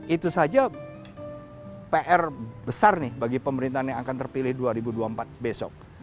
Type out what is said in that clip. itu saja pr besar nih bagi pemerintahan yang akan terpilih dua ribu dua puluh empat besok